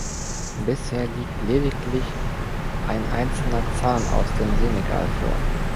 Bisher liegt lediglich ein einzelner Zahn aus dem Senegal vor.